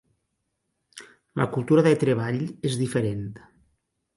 La cultura de treball es diferent.